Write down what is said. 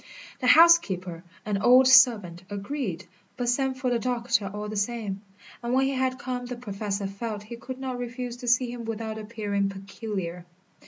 The housekeeper, an old servant, agreed, but sent for the doctor all the same; and when he had come the Professor felt he could not refuse to see him without appearing peculiar.